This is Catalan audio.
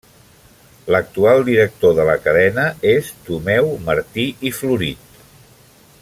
L'actual director de la cadena és Tomeu Martí i Florit.